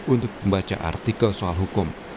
untuk membaca artikel soal hukum